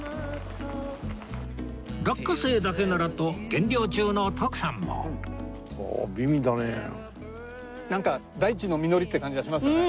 落花生だけならと減量中の徳さんもなんか大地の実りって感じがしますよね。